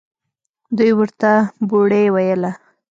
دوى ورته بوړۍ ويله.